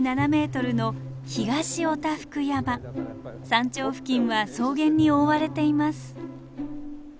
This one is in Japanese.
山頂付近は草原に覆われています。